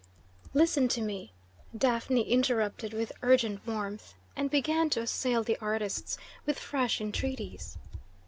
"Listen to me!" Daphne interrupted with urgent warmth, and began to assail the artists with fresh entreaties.